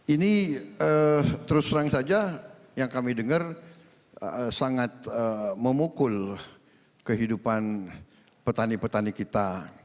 ini terus terang saja yang kami dengar sangat memukul kehidupan petani petani kita